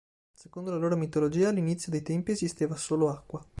Secondo la loro mitologia all'inizio dei tempi esisteva solo acqua.